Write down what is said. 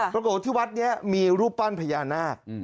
ปรากฏว่าที่วัดนี้มีรูปปั้นพญานาค